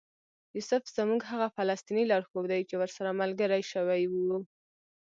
یوسف زموږ هغه فلسطینی لارښود دی چې ورسره ملګري شوي یو.